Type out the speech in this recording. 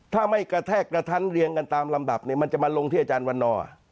ถ้าไม่กระแทกกระทั้นเรียงกันตามลำดับเนี่ยมันจะมาลงที่อาจารย์วันนอร์